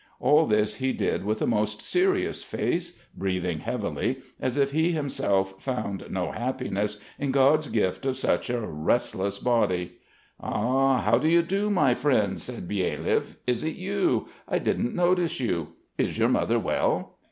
All this he did with a most serious face, breathing heavily, as if he himself found no happiness in God's gift of such a restless body. "Ah, how do you do, my friend?" said Byelyaev. "Is it you? I didn't notice you. Is your mother well?"